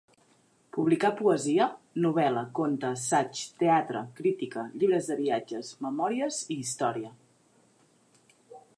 Publicà poesia, novel·la, conte, assaig, teatre, crítica, llibres de viatges, memòries i història.